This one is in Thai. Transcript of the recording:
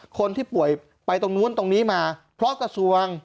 คนที่ป่วยไปตรงนู้นตรงนี้มาเพราะกระทรวง